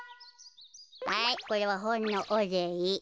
はいこれはほんのおれい。